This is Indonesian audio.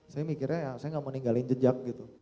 saya mikirnya saya gak mau ninggalin jejak gitu